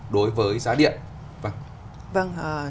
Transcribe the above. đối với giá điện